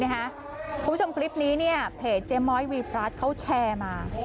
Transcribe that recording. คุณผู้ชมคลิปนี้เพจเจ๊ม้อยวีพลัสเขาแชร์มา